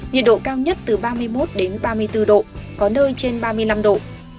nhiệt độ cao nhất từ ba mươi một đến ba mươi bốn độ có nơi trên ba mươi năm độ